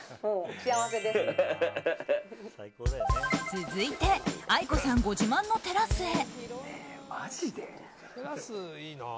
続いてＡＩＫＯさんご自慢のテラスへ。